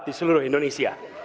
di seluruh indonesia